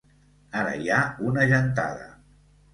Ara hi ha una gentada.